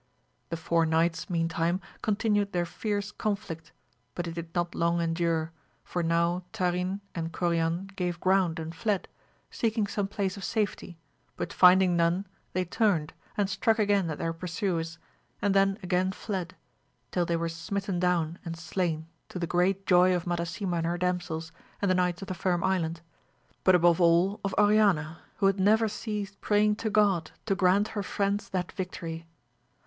The four knights meantime continued their fierce conflict, but it did. Sot long endure, for now Tarin and Corian gave ground and fled, seeking some place of safety, but finding none they turned, and struck again at their pursuers and then again fled, till they were smitten down and slain to the great joy of Madasima and her damsels, and the knights of the Firm Island, but above all of Oriana, who had never ceased praying to God to grant her friends that victory.